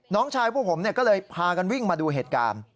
น้องชายพวกผมก็เลยพากันวิ่งมาดูเหตุการณ์